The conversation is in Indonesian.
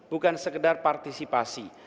bukan sekedar partisipasi